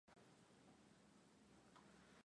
kama vile chakula na maji safi ya kunywa